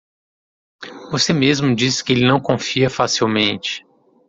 Você mesmo disse que ele não confia facilmente.